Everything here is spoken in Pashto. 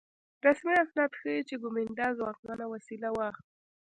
رسمي اسناد ښيي چې کومېنډا ځواکمنه وسیله وه.